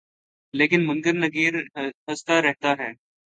لیکن منکر نکیر ہستہ رہتا ہے